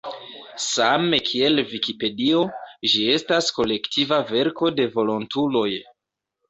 Same kiel Vikipedio, ĝi estas kolektiva verko de volontuloj.